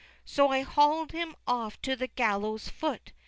So I haul'd him off to the gallows' foot.